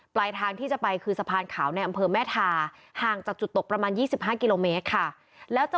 ปลายทางที่จะไปคือสะพานขาวในอำเภอแม่ทาห่างจากจุดตกประมาณ๒๕กิโลเมตรค่ะแล้วจะ